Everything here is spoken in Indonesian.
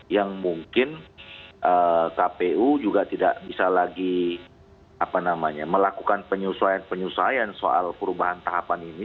yang mungkin kpu juga tidak bisa lagi melakukan penyesuaian penyesuaian soal perubahan tahapan ini